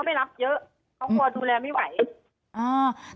ตอนที่จะไปอยู่โรงเรียนนี้แปลว่าเรียนจบมไหนคะ